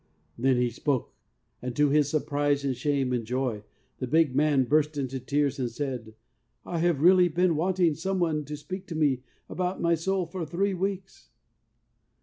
Then he spoke, and to his surprise, and shame, and joy, the big man burst into tears, and said, ' I have really been wanting some one to speak to me about my soul for three weeks.